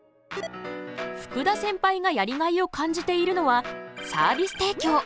福田センパイがやりがいを感じているのはサービス提供。